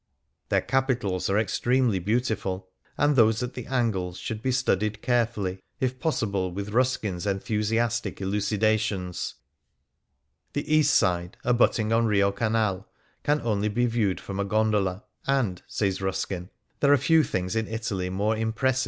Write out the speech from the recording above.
Their capitals are ex tremely beautiful, and those at the angles should be studied carefully, if possible with Ruskin's enthusiastic elucidations. The east side, abutting on Rio Canal, can only be viewed from a gondola, and, says Ruskin :" There are few things in Italy more impressive than the 70 ^Vl 'f'^, ' dUiSS /';j<;/^ Ballance.